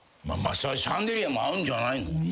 まあまあそらシャンデリアもあるんじゃないの。